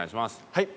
はい。